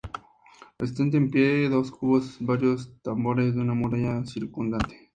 Resisten en pie dos cubos y varios tambores de la muralla circundante.